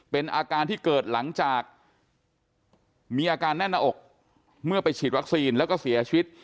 เป็นอาการที่เกิดหลังจากมีอาการแน่นหน้าอกเมื่อไปฉีดวัคซีนแล้วก็เสียชีวิต